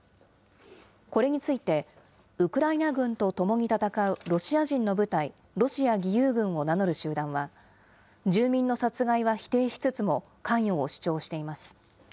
これについて、ウクライナ軍とともに戦うロシア人の部隊、ロシア義勇軍を名乗る集団は、住民の殺害は否定しつつも関与を主張しています。